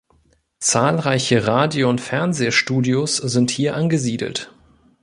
Zahlreiche Radio- und Fernsehstudios sind hier angesiedelt.